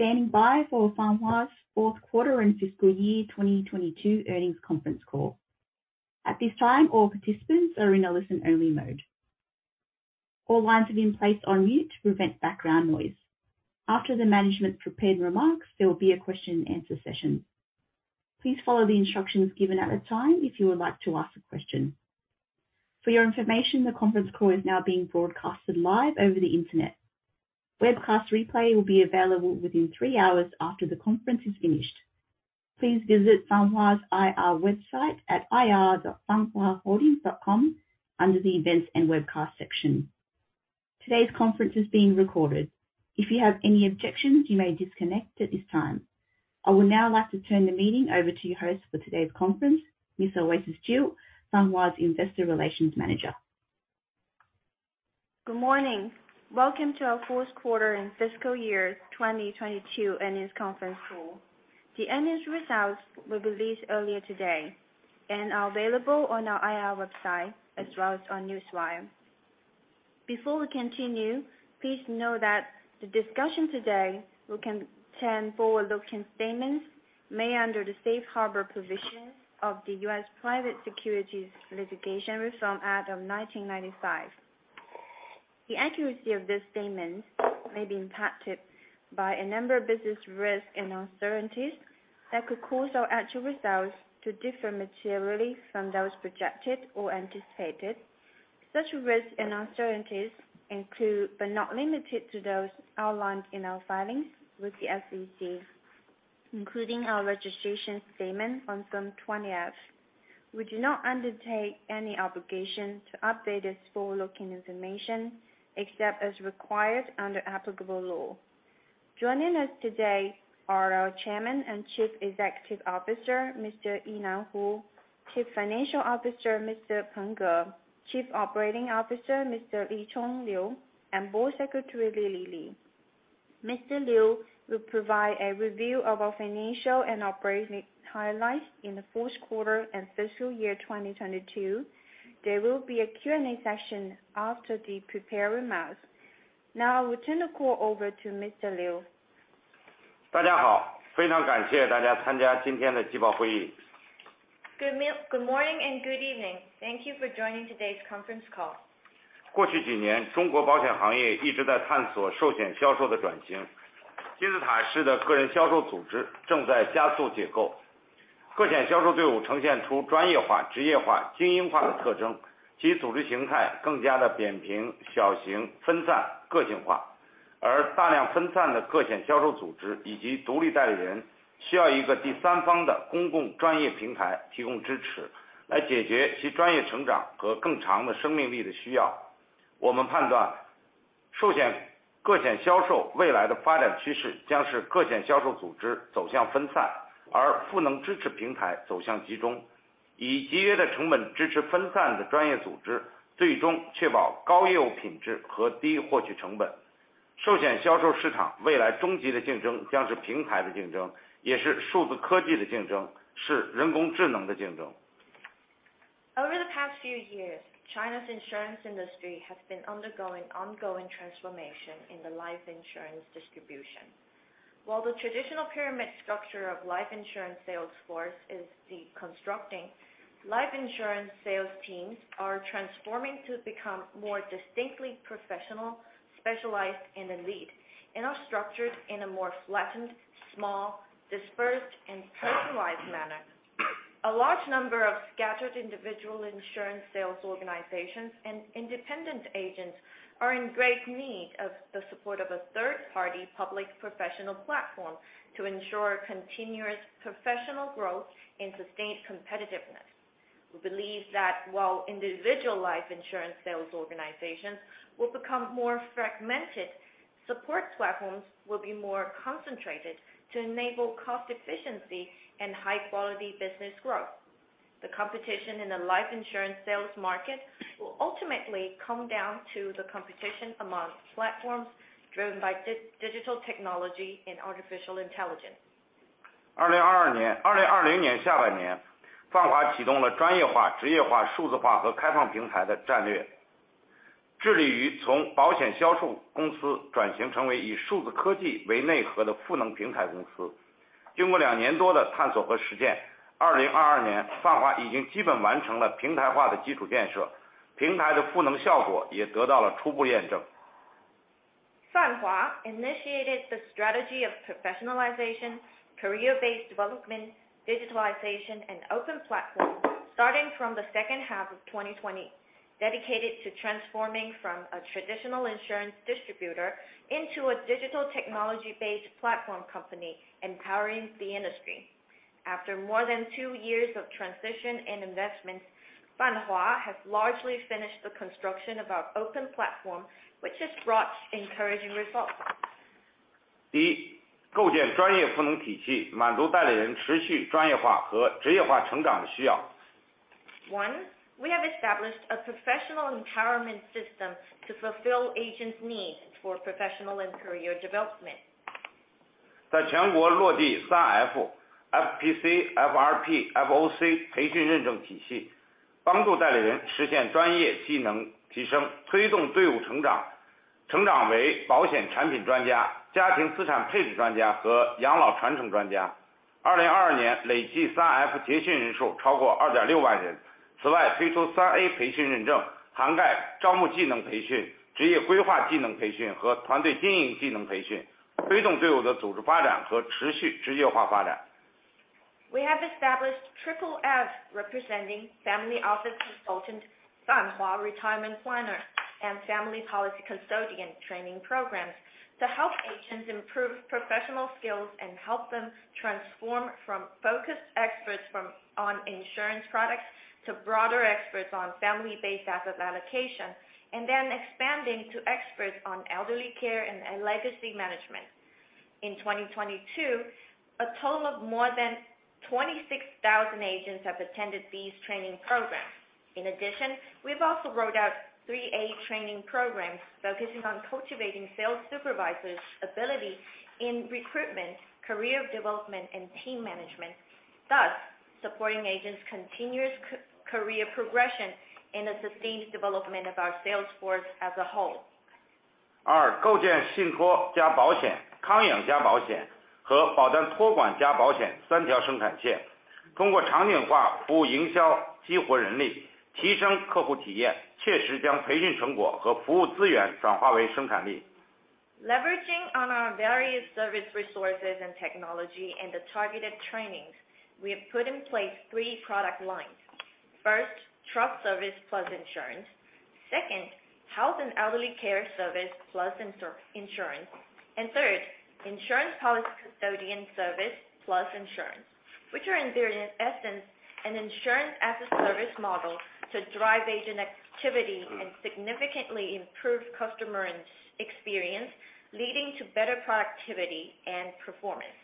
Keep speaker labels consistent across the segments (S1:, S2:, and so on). S1: Thank you for standing by for Fanhua Inc.'s Fourth Quarter and Fiscal Year 2022 Earnings Conference Call. At this time, all participants are in a listen-only mode. All lines have been placed on mute to prevent background noise. After the management's prepared remarks, there will be a question-and-answer session. Please follow the instructions given at the time if you would like to ask a question. For your information, the conference call is now being broadcasted live over the Internet. Webcast replay will be available within three hours after the conference is finished. Please visit Fanhua Inc.'s IR website at ir.fanhuaholdings.com under the Events and Webcast section. Today's conference is being recorded. If you have any objections, you may disconnect at this time. I would now like to turn the meeting over to your host for today's conference, Ms. Oasis Qiu, Fanhua Inc.'s Investor Relations Manager.
S2: Good morning. Welcome to our Fourth Quarter and Fiscal year 2022 Earnings Conference Call. The earnings results were released earlier today and are available on our IR website, as well as on Newswire. Before we continue, please know that the discussion today will contain forward-looking statements made under the safe harbor provisions of the U.S. Private Securities Litigation Reform Act of 1995. The accuracy of this statement may be impacted by a number of business risks and uncertainties that could cause our actual results to differ materially from those projected or anticipated. Such risks and uncertainties include, but not limited to those outlined in our filings with the SEC, including our registration statement on Form 20-F. We do not undertake any obligation to update this forward-looking information, except as required under applicable law. Joining us today are our Chairman and Chief Executive Officer, Mr. Yinan Hu, Chairman Mr. Peng Ge, Chief Financial Officer, Mr. Lichong Liu, and Board Secretary, Lily Li. Mr. Liu will provide a review of our financial and operating highlights in the fourth quarter and fiscal year 2022. There will be a Q&A session after the prepared remarks. Now we turn the call over to Mr. Liu. Good morning and good evening. Thank you for joining today's conference call. Over the past few years, China's insurance industry has been undergoing ongoing transformation in the life insurance distribution. While the traditional pyramid structure of life insurance sales force is deconstructing, life insurance sales teams are transforming to become more distinctly professional, specialized, and elite, and are structured in a more flattened, small, dispersed, and personalized manner. A large number of scattered individual insurance sales organizations and independent agents are in great need of the support of a third-party public professional platform to ensure continuous professional growth and sustained competitiveness. We believe that while individual life insurance sales organizations will become more fragmented, support platforms will be more concentrated to enable cost efficiency and high quality business growth. The competition in the life insurance sales market will ultimately come down to the competition amongst platforms driven by digital technology and artificial intelligence. Fanhua initiated the strategy of professionalization, career-based development, digitalization, and open platform starting from the second half of 2020, dedicated to transforming from a traditional insurance distributor into a digital technology-based platform company, empowering the industry. After more than two years of transition and investments, Fanhua has largely finished the construction of our open platform, which has brought encouraging results. One, we have established a professional empowerment system to fulfill agents' needs for professional and career development.
S3: 帮助代理人实现专业技能提 升， 推动队伍成 长， 成长为保险产品专家、家庭资产配置专家和养老传承专 家. 2022年累计 3F 结训人数超过 26,000 人. 此 外， 推出 3A 培训认 证， 涵盖招募技能培训、职业规划技能培训和团队经营技能培 训， 推动队伍的组织发展和持续职业化发 展.
S2: We have established Triple F, representing Family Office Consultant, Fanhua Retirement Planner and Fanhua Policy Custodian training programs to help agents improve professional skills and help them transform from focused experts from on insurance products to broader experts on family-based asset allocation, and then expanding to experts on elderly care and legacy management. In 2022, a total of more than 26,000 agents have attended these training programs. In addition, we've also rolled out 3A training programs focusing on cultivating sales supervisors ability in recruitment, career development, and team management, thus supporting agents continuous career progression and the sustained development of our sales force as a whole.
S3: 二、构建信托加保险、康养加保险和保单托管加保险三条生产 线， 通过场景化服务营销激活人 力， 提升客户体 验， 切实将培训成果和服务资源转化为生产力。
S2: Leveraging on our various service resources and technology and the targeted trainings, we have put in place three product lines. First, trust service plus insurance. Second, health and elderly care service plus insurance. Third, insurance policy custodian service plus insurance, which are in their essence an insurance as a service model to drive agent activity and significantly improve customer experience, leading to better productivity and performance.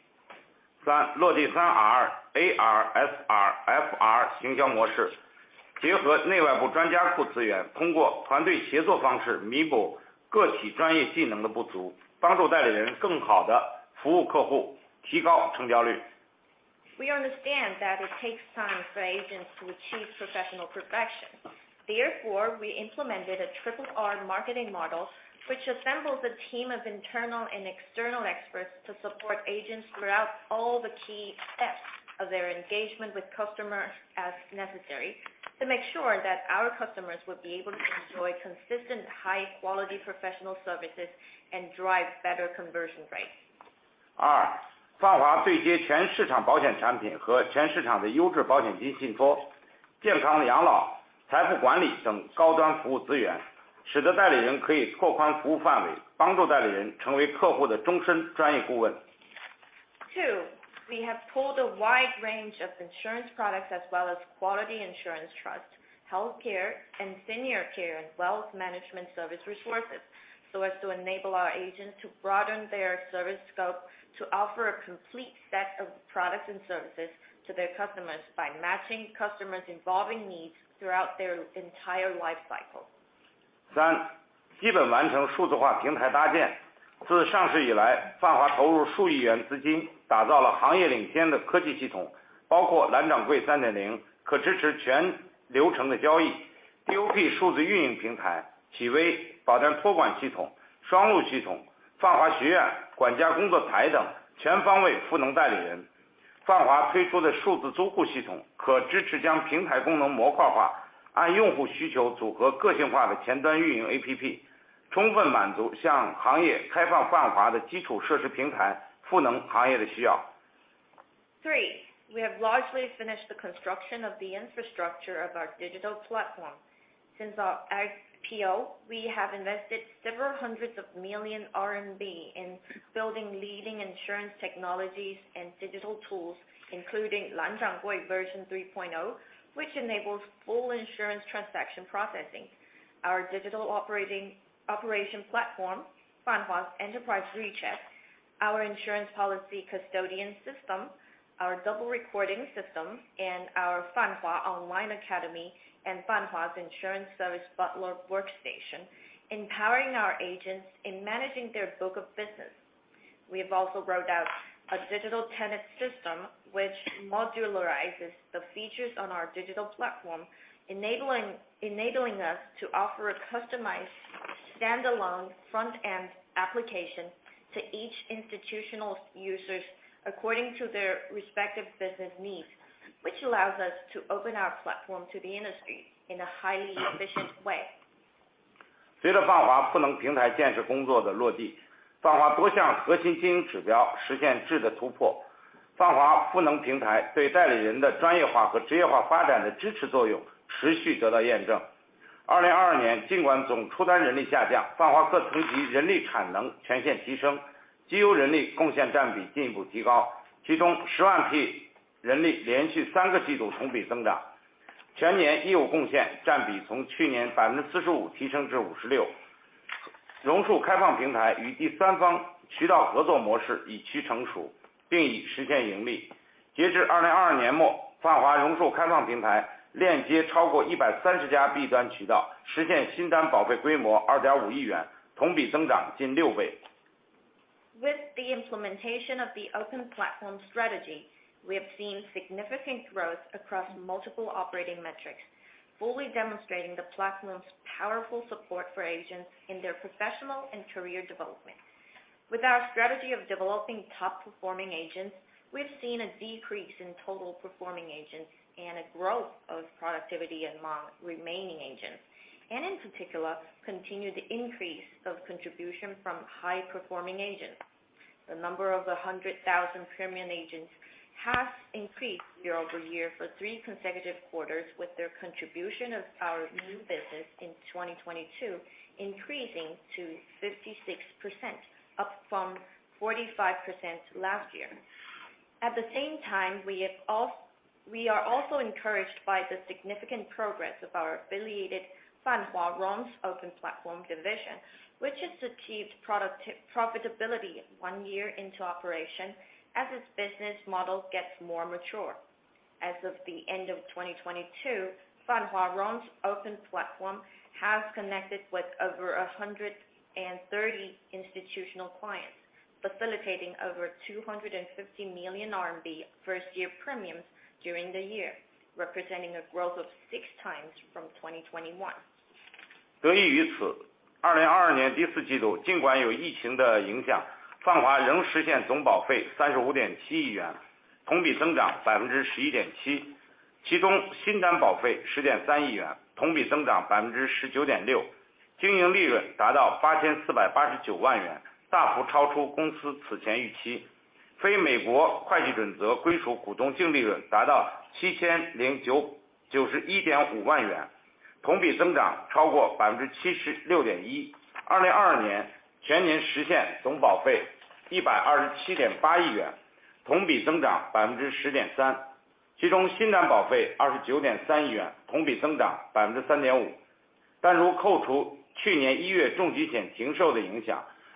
S3: 三、落地 3R，AR、SR、FR 营销模 式， 结合内外部专家库资 源， 通过团队协作方式弥补个体专业技能的不 足， 帮助代理人更好地服务客 户， 提高成交率。
S2: We understand that it takes time for agents to achieve professional progression. We implemented a Triple R marketing model which assembles a team of internal and external experts to support agents throughout all the key steps of their engagement with customers as necessary to make sure that our customers will be able to enjoy consistent, high-quality professional services and drive better conversion rates.
S3: 二、泛华对接全市场保险产品和全市场的优质保险金信托、健康的养老、财富管理等高端服务资 源， 使得代理人可以拓宽服务范 围， 帮助代理人成为客户的终身专业顾问。
S2: Two, we have pooled a wide range of insurance products as well as quality insurance trust, health care and senior care and wealth management service resources, so as to enable our agents to broaden their service scope to offer a complete set of products and services to their customers by matching customers evolving needs throughout their entire life cycle.
S3: 三、基本完成数字化平台搭建。自上市以 来， 泛华投入数亿元资金打造了行业领先的科技系 统， 包括蓝掌柜 3.0， 可支持全流程的交易。DOP 数字运营平台、企微、保单托管系统、双录系统、泛华学院、管家工作台 等， 全方位赋能代理人。泛华推出的数字租户系 统， 可支持将平台功能模块 化， 按用户需求组合个性化的前端运营 APP， 充分满足向行业开放泛华的基础设施平台，赋能行业的需要
S2: Three, we have largely finished the construction of the infrastructure of our digital platform. Since our IPO, we have invested several hundreds of million RMB in building leading insurance technologies and digital tools, including 蓝掌柜 version 3.0, which enables full insurance transaction processing. Our digital operation platform, Fanhua Enterprise WeChat, our insurance policy custodian system, our double recording system, and our Fanhua Online Academy, and Fanhua's insurance service butler workstation, empowering our agents in managing their book of business. We have also rolled out a digital tenant system which modularizes the features on our digital platform, enabling us to offer a customized standalone front-end application to each institutional users according to their respective business needs, which allows us to open our platform to the industry in a highly efficient way.
S3: 随着泛华赋能平台建设工作的落 地， 泛华多项核心经营指标实现质的突破。泛华赋能平台对代理人的专业化和职业化发展的支持作用持续得到验证。2022 年， 尽管总出单人力下 降， 泛华各层级人力产能全线提升 ，GU 人力贡献占比进一步提 高， 其中十万 P 人力连续三个季度同比增 长， 全年 GU 贡献占比从去年百分之四十五提升至五十六。榕树开放平台与第三方渠道合作模式已趋成 熟， 并已实现盈利。截至2022年 末， 泛华榕树开放平台链接超过一百三十家 B 端渠 道， 实现新单保费规模二点五亿 元， 同比增长近六倍。
S2: With the implementation of the open platform strategy, we have seen significant growth across multiple operating metrics, fully demonstrating the platform's powerful support for agents in their professional and career development. With our strategy of developing top-performing agents, we've seen a decrease in total performing agents and a growth of productivity among remaining agents, and in particular, continued increase of contribution from high-performing agents. The number of the hundred thousand premium agents has increased year-over-year for three consecutive quarters with their contribution of our new business in 2022, increasing to 56%, up from 45% last year. At the same time, we are also encouraged by the significant progress of our affiliated Fanhua RONG Open Platform division, which has achieved profitability one year into operation as its business model gets more mature. As of the end of 2022, Fanhua RONG Open Platform has connected with over 130 institutional clients, facilitating over 250 million RMB first-year premiums during the year, representing a growth of 6x from 2021.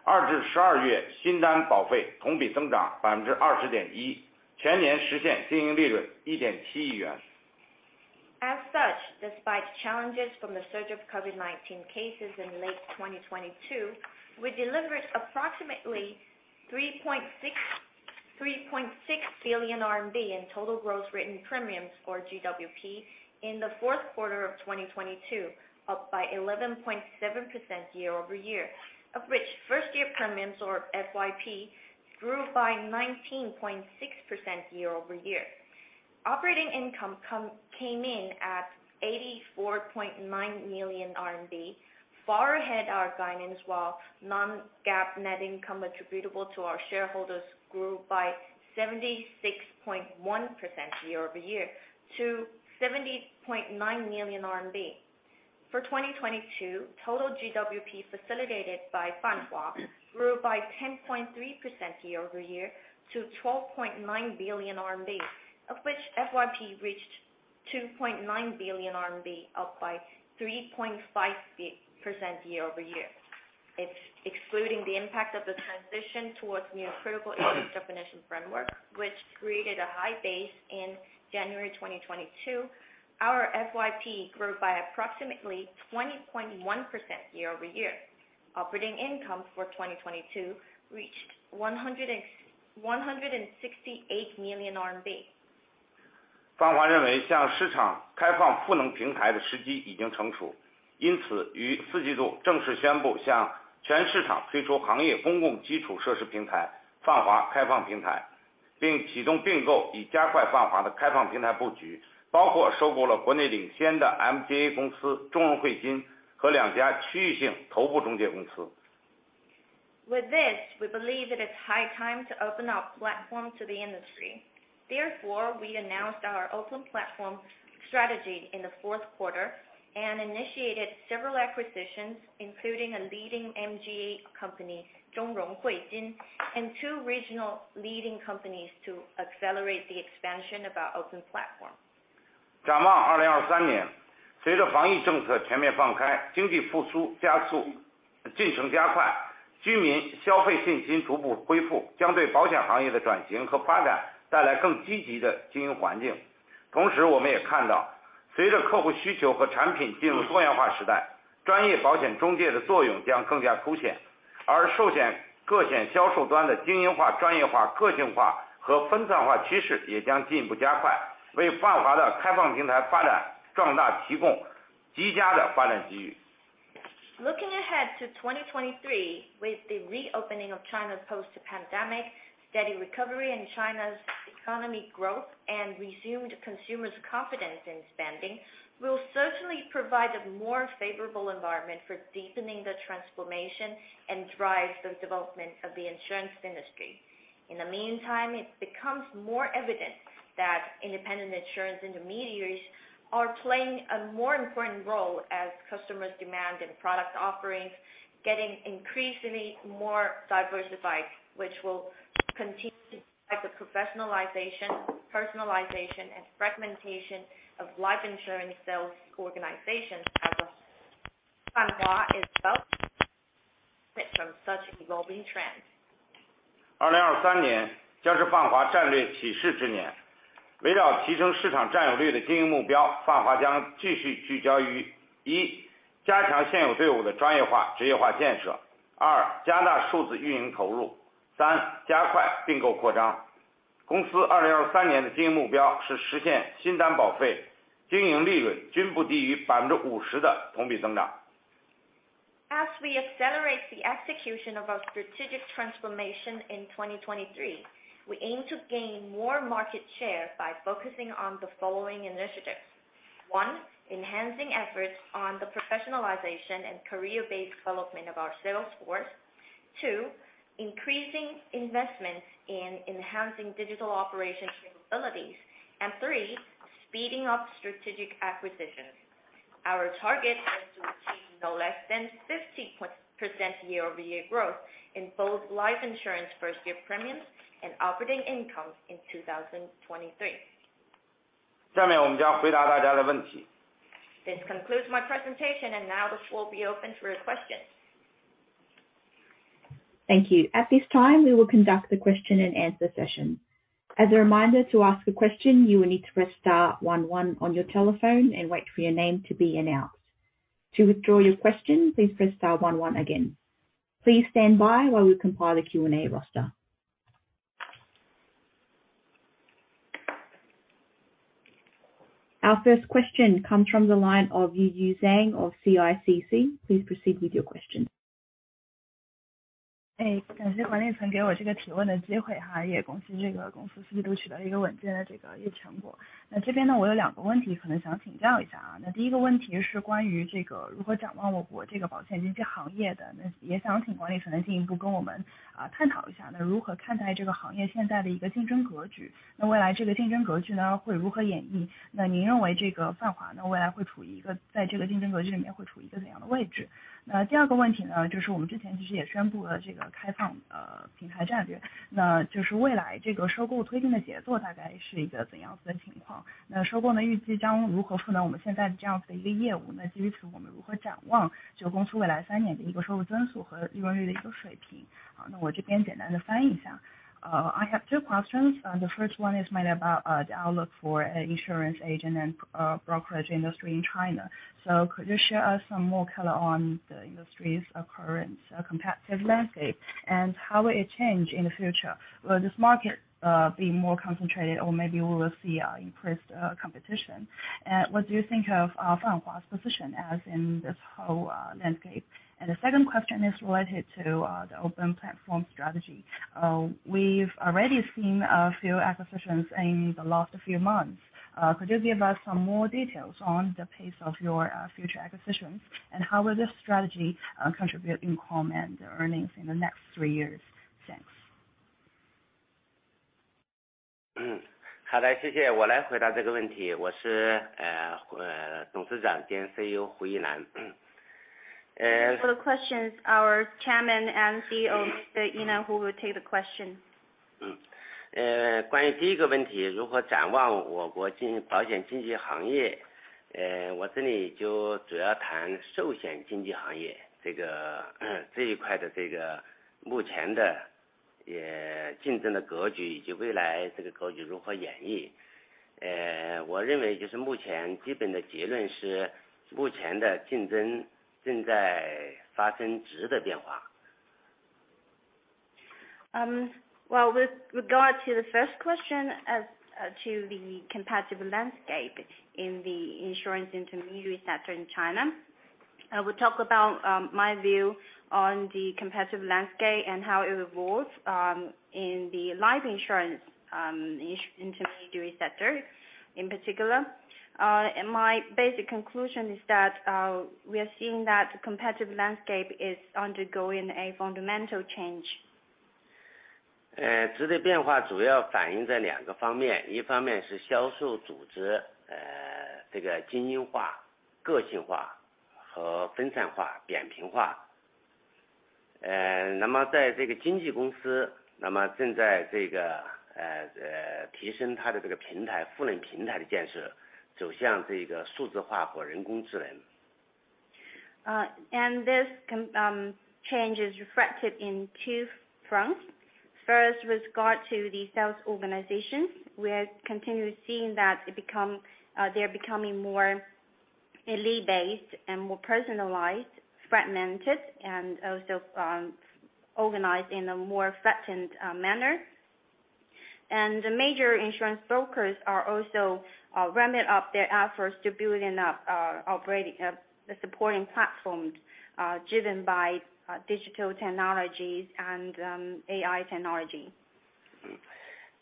S2: As such, despite challenges from the surge of COVID-19 cases in late 2022, we delivered approximately 3.6 billion RMB in total gross written premiums or GWP in the fourth quarter of 2022, up by 11.7% year-over-year, of which first year premiums or FYP grew by 19.6% year-over-year. Operating income came in at 84.9 million RMB, far ahead our guidance, while non-GAAP net income attributable to our shareholders grew by 76.1% year-over-year to 70.9 million RMB. For 2022, total GWP facilitated by Fanhua grew by 10.3% year-over-year to 12.9 billion RMB, of which FYP reached 2.9 billion RMB, up by 3.5% year-over-year. Excluding the impact of the transition towards new critical illness definition framework, which created a high base in January 2022, our FYP grew by approximately 20.1% year-over-year. Operating income for 2022 reached RMB 168 million. With this, we believe that it's high time to open up platforms to the industry. We announced our open platform strategy in the fourth quarter and initiated several acquisitions, including a leading MGA company, Zhongrong Huijin, and two regional leading companies to accelerate the expansion of our open platform. Looking ahead to 2023, with the reopening of China's post-pandemic, steady recovery in China's economy growth and resumed consumers' confidence in spending will certainly provide a more favorable environment for deepening the transformation and drive the development of the insurance industry. In the meantime, it becomes more evident that independent insurance intermediaries are playing a more important role as customers demand and product offerings getting increasingly more diversified, which will continue to drive the professionalization, personalization, and fragmentation of life insurance sales organizations as Fanhua is well fit from such evolving trends.
S3: 围绕提升市场占有率的经营目 标, Fanhua 将继续聚焦于 1, 加强现有队伍的专业化、职业化建 设. 2, 加大数字运营投 入. 3加快并购扩 张. 公司2023的经营目标是实现新单保费经营利润均不低于 50% 的同比增 长.
S2: As we accelerate the execution of our strategic transformation in 2023, we aim to gain more market share by focusing on the following initiatives. One, enhancing efforts on the professionalization and career-based development of our sales force. Two, increasing investments in enhancing digital operations capabilities. Three, speeding up strategic acquisitions. Our target is to achieve no less than 50% year-over-year growth in both life insurance first year premiums and operating income in 2023.
S3: 下面我们将回答大家的 问题.
S2: This concludes my presentation. Now the floor will be open for your questions.
S1: Thank you. At this time, we will conduct the question and answer session. As a reminder to ask a question you will need to press star one one on your telephone and wait for your name to be announced. To withdraw your question, please press star one one again. Please stand by while we compile a Q&A roster. Our first question comes from the line of Yu Zhang of CICC. Please proceed with your question.
S4: 感谢管理层给我这个提问的机 会， 也恭喜这个公司4 季度取得一个稳定的这个业务成果。这边 呢， 我有2个问题可能想请教一下。第1个问题是关于这个如何展望我国这个保险经纪行业 的， 也想请管理层再进一步跟我们探讨一 下， 如何看待这个行业现在的一个竞争格 局， 未来这个竞争格局呢会如何演 绎？ 您认为这个 Fanhua 呢未来会处于一个在这个竞争格局里面会处于一个怎样的位置？第2个问题 呢， 就是我们之前其实也宣布了这个开放平台战 略， 就是未来这个收购推进的节奏大概是一个怎样子的情 况， 收购呢预计将如何赋能我们现在的这样子的一个业务 呢？ 基于 此， 我们如何展望就公司未来3年的一个收入增速和利润的一个水平。我这边简单的翻译一下。I have two questions, the first one is maybe about the outlook for insurance agent and brokerage industry in China. Could you share us some more color on the industry's current competitive landscape? How will it change in the future? Will this market be more concentrated? Or maybe we will see increased competition. What do you think of Fanhua's position as in this whole landscape? The second question is related to the open platform strategy. We've already seen a few acquisitions in the last few months. Could you give us some more details on the pace of your future acquisitions, and how will this strategy contribute income and earnings in the next three years? Thanks.
S5: 嗯， 好 的， 谢谢。我来回答这个问题。我是 呃， 董事长兼 CEO 胡一楠。
S2: Thank you for the questions. Our Chairman and CEO, Mr. Yinan Hu, will take the question.
S5: 嗯， 呃， 关于第一个问 题， 如何展望我国经济保险经纪行 业， 呃， 我这里就主要谈寿险经纪行业这个这一块的这个目前的也竞争的格 局， 以及未来这个格局如何演绎。呃， 我认为就是目前基本的结论是目前的竞争正在发生质的变化。
S2: Well, with regard to the first question as to the competitive landscape in the insurance intermediary sector in China, I will talk about, my view on the competitive landscape and how it evolves, in the life insurance, intermediary sector in particular. My basic conclusion is that, we are seeing that competitive landscape is undergoing a fundamental change.
S5: 呃， 质的变化主要反映在两个方 面， 一方面是销售组 织， 呃， 这个精英化、个性化和分散化、扁平化。呃， 那么在这个经纪公 司， 那么正在这个 呃， 呃， 提升它的这个平 台， 赋能平台的建设，走向这个数字化和人工智能。
S2: This change is reflected in two fronts. First, with regard to the sales organization, we are continuously seeing that they are becoming more elite based and more personalized, fragmented, and also organized in a more flattened manner. The major insurance brokers are also ram it up their efforts to building up operating the supporting platforms, driven by digital technologies and AI technology.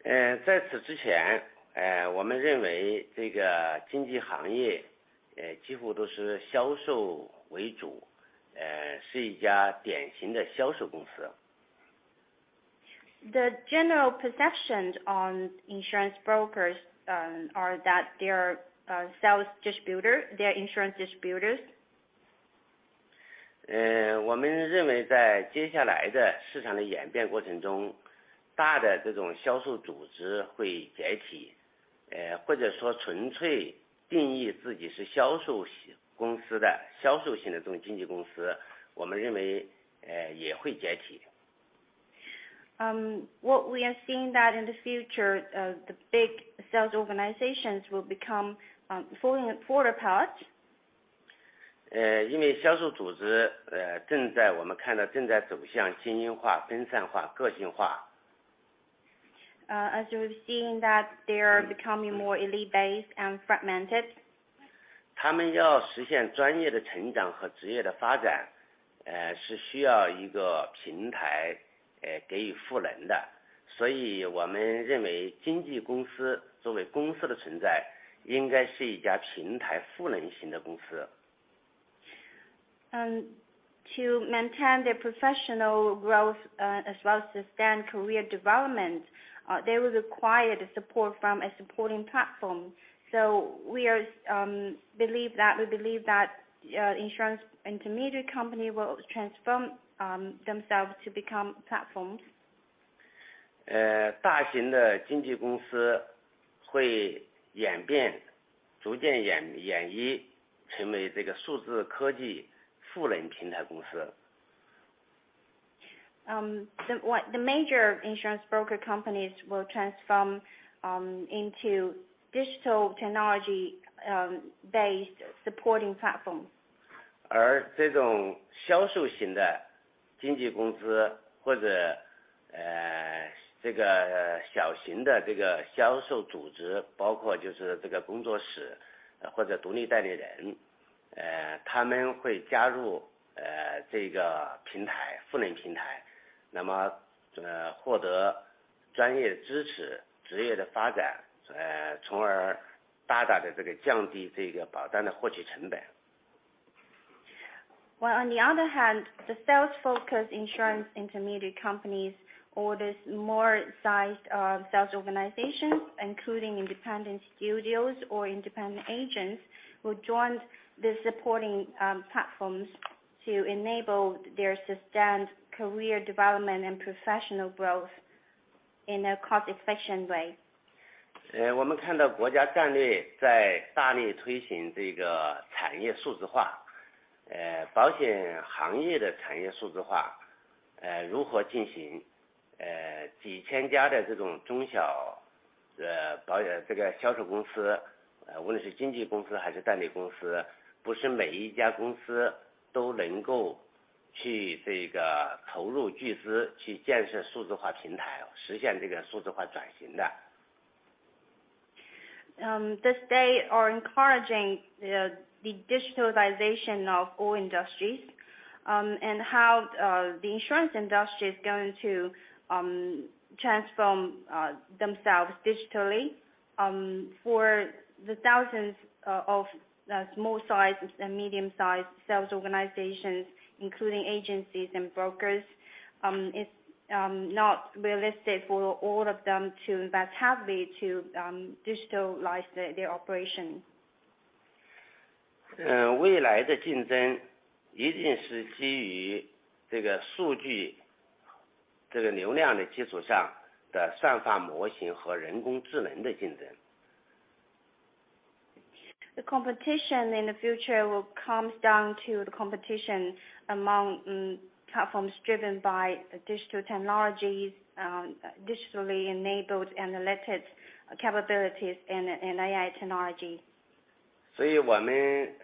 S5: 呃， 在此之 前， 呃， 我们认为这个经纪行业 呃， 几乎都是销售为 主， 呃， 是一家典型的销售公司。
S2: The general perceptions on insurance brokers, are that they are, sales distributors, they are insurance distributors.
S5: 我们认为在接下来的市场的演变过程 中, 大的这种销售组织会解 体, 或者说纯粹定义自己是销售型的公司的销售型的这种经纪公 司, 我们认 为, 也会解 体.
S2: What we are seeing that in the future, the big sales organizations will become fully forward pilots. As we've seen that they are becoming more elite-based and fragmented. To maintain their professional growth, as well as sustained career development, they will require the support from a supporting platform. We believe that insurance intermediate company will transform themselves to become platforms. The major insurance broker companies will transform into digital technology based supporting platforms. On the other hand, the sales-focused insurance intermediate companies or this more sized sales organizations, including independent studios or independent agents, will join the supporting platforms to enable their sustained career development and professional growth in a cost-efficient way. The state are encouraging the digitalization of all industries, and how the insurance industry is going to transform themselves digitally, for the thousands of small-sized and medium-sized sales organizations, including agencies and brokers, it's not realistic for all of them to invest heavily to digitalize their operation. The competition in the future will comes down to the competition among platforms driven by digital technologies, digitally enabled analytic capabilities and AI technology. What we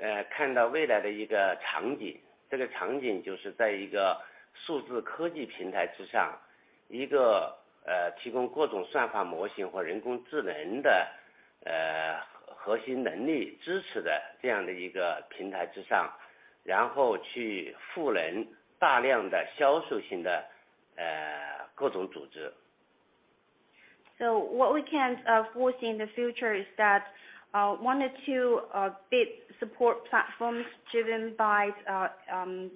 S2: can foresee in the future is that one or two big support platforms driven by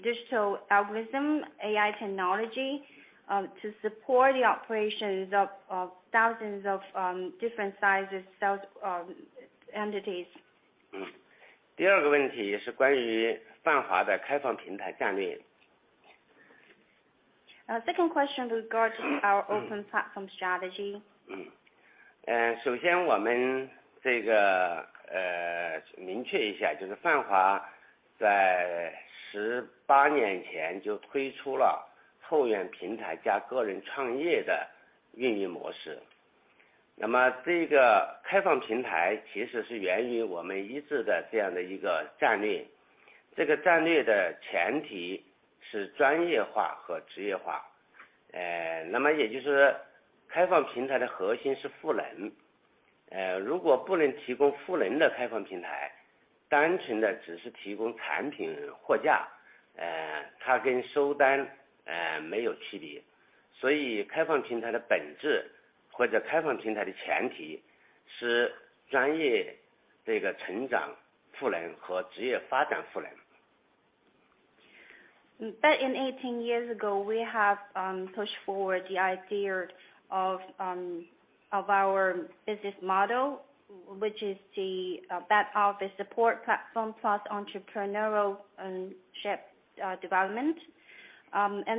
S2: digital algorithm, AI technology, to support the operations of thousands of different-sized sales entities. Second question regards to our open platform strategy. Back in 18 years ago, we have pushed forward the idea of of our business model, which is the back office support platform plus entrepreneurial and ship development.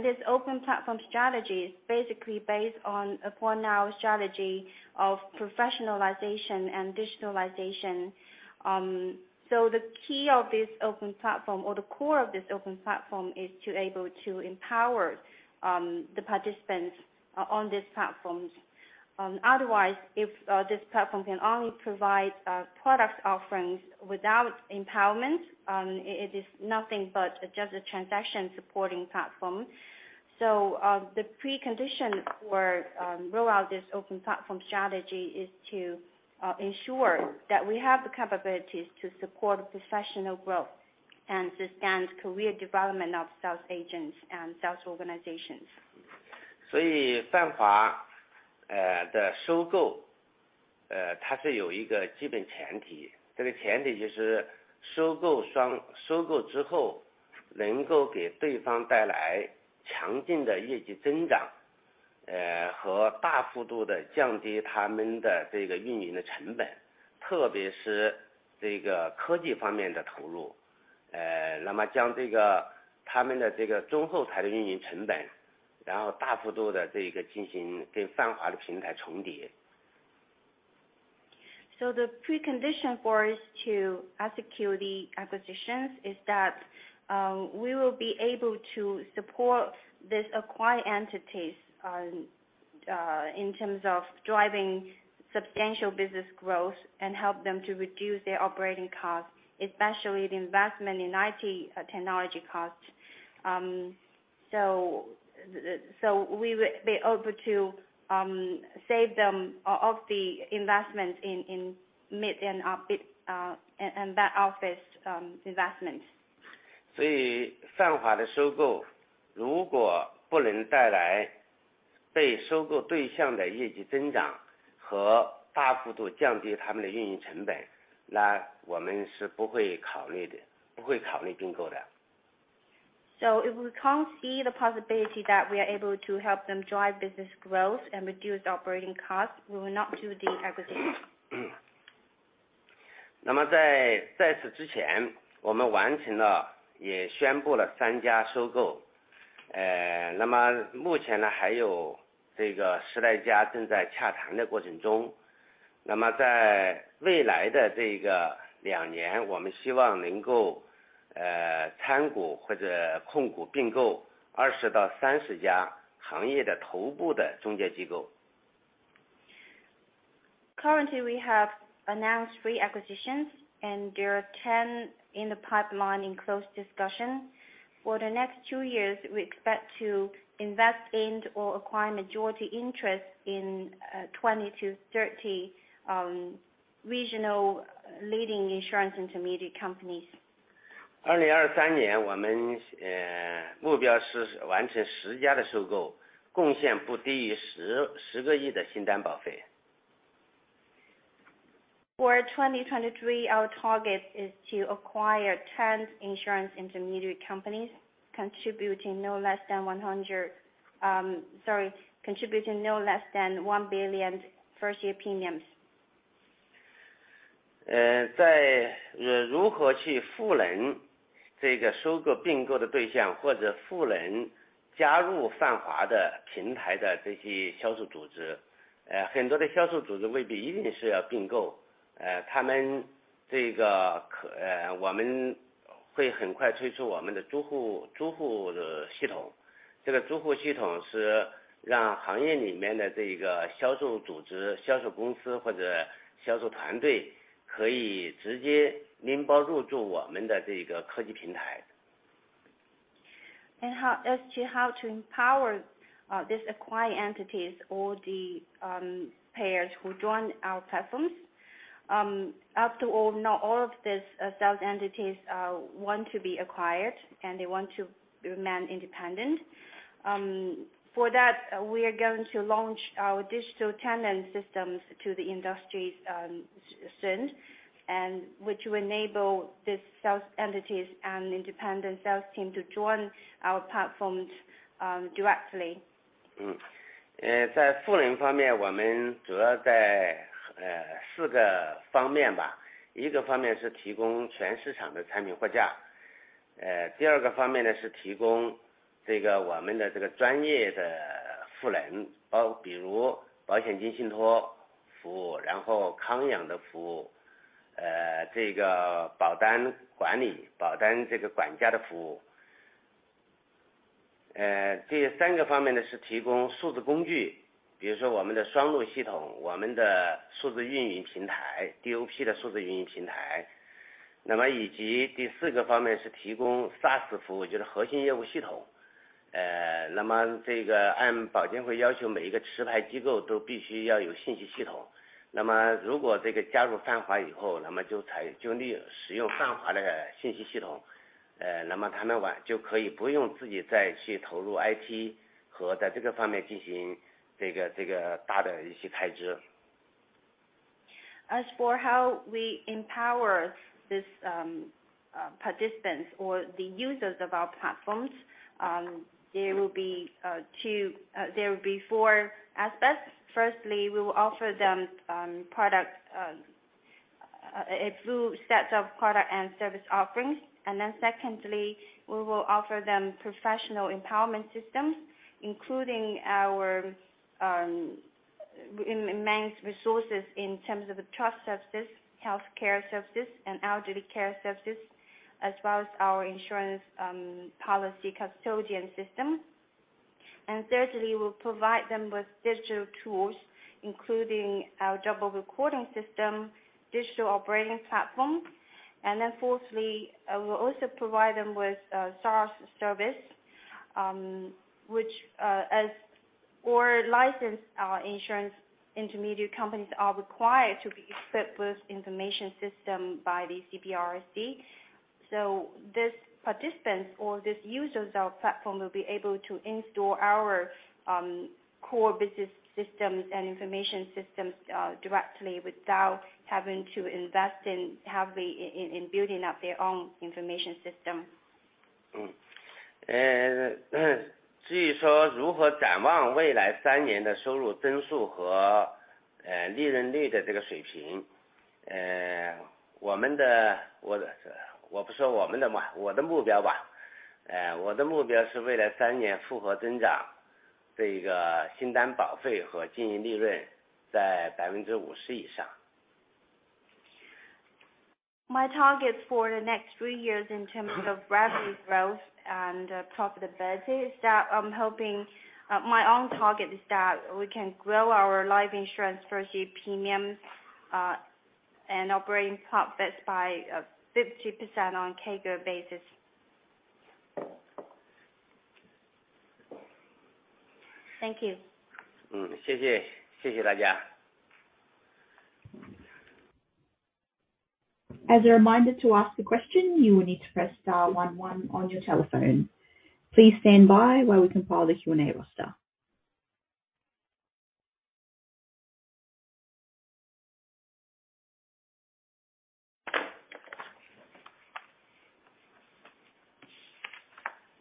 S2: This open platform strategy is basically based on upon our strategy of professionalization and digitalization. The key of this open platform or the core of this open platform is to able to empower the participants on these platforms. Otherwise, if this platform can only provide product offerings without empowerment, it is nothing but just a transaction supporting platform. The precondition for roll out this open platform strategy is to ensure that we have the capabilities to support professional growth and sustained career development of sales agents and sales organizations. The precondition for us to execute the acquisitions is that we will be able to support these acquired entities in terms of driving substantial business growth and help them to reduce their operating costs, especially the investment in IT technology costs. We will be able to save them of the investment in mid and up and back-office investments. If we can't see the possibility that we are able to help them drive business growth and reduce operating costs, we will not do the acquisition. Currently, we have announced three acquisitions, and there are 10 in the pipeline in close discussion. For the next two years, we expect to invest in or acquire majority interest in 20-30 regional leading insurance intermediary companies. For 2023, our target is to acquire 10 insurance intermediary companies, contributing no less than 100, sorry, contributing no less than $1 billion first year premiums. How, as to how to empower these acquired entities or the payers who join our platforms. After all, not all of these sales entities want to be acquired, and they want to remain independent. For that, we are going to launch our digital tenant systems to the industry soon, and which will enable these sales entities and independent sales team to join our platforms directly. As for how we empower these participants or the users of our platforms, there will be four aspects. Firstly, we will offer them product, a full sets of product and service offerings.
S5: Secondly, we will offer them professional empowerment systems, including our manage resources in terms of the trust services, healthcare services, and elderly care services, as well as our insurance policy custodian system. Thirdly, we'll provide them with digital tools, including our double recording system, digital operating platform. Fourthly, we'll also provide them with SaaS service, which or license our insurance intermediate companies are required to be equipped with information system by the CBIRC. This participants or these users of our platform will be able to install our core business systems and information systems directly without having to invest heavily in building up their own information system. Mm. Uh,
S2: My targets for the next three years in terms of revenue growth and profitability is that I'm hoping, my own target is that we can grow our life insurance first-year premium, and operating profits by 50% on CAGR basis. Thank you.
S1: As a reminder to ask the question, you will need to press star one one on your telephone. Please stand by while we compile the Q&A roster.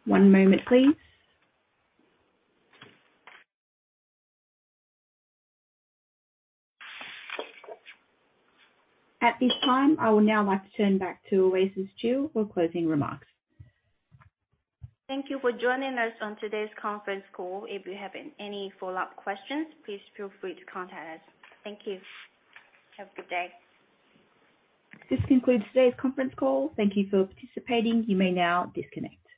S1: One moment please. At this time, I would now like to turn back to Oasis Qiu for closing remarks.
S2: Thank you for joining us on today's conference call. If you have any follow-up questions, please feel free to contact us. Thank you. Have a good day.
S1: This concludes today's conference call. Thank Thank you for participating. You may now disconnect.